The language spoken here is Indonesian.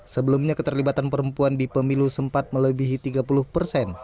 sebelumnya keterlibatan perempuan di pemilu sempat melebihi tiga puluh persen